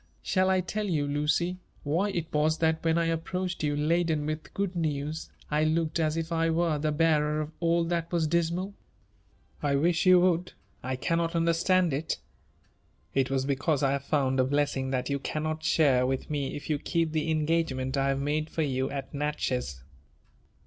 Shall I tell you, Lucy, why it was that when I approached you laden with good news, I looked as if I were the bearer of all that was dismal V " I wish you would ;— I cannot understand it." It was because I have found a blessing that you cannot share with me if you keep the engagement I have made for you at Natchez."